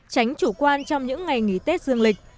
tránh chủ quan trong những ngày nghỉ tết dương lịch